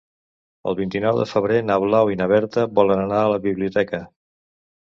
El vint-i-nou de febrer na Blau i na Berta volen anar a la biblioteca.